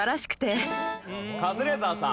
カズレーザーさん。